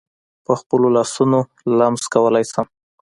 په خپلو لاسونو لمس کولای شم.